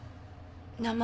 名前